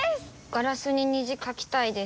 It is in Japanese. ガラスに虹描きたいです。